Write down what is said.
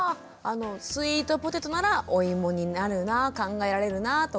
スイートポテトならお芋になるな考えられるなとか。